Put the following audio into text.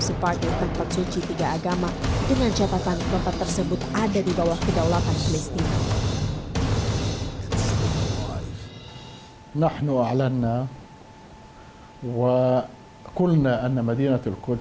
juta besar palestina untuk indonesia zuhair alsun mengaku palestina tetap membuka yerusalem